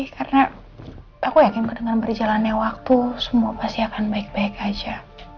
karena aku yakin dengan berjalannya waktu semua pasti akan baik baik aja